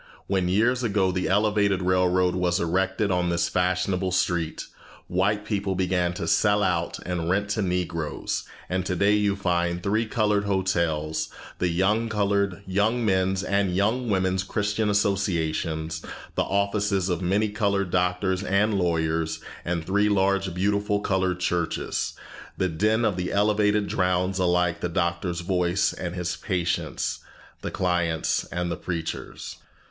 When years ago the elevated railroad was erected on this fashionable street, white people began to sell out and rent to Negroes; and today you find here three colored hotels, the colored Young Men's and Young Women's Christian Associations, the offices of many colored doctors and lawyers, and three large beautiful colored churches. The din of the elevated drowns alike the doctor's voice and his patient's, the client's and the preacher's.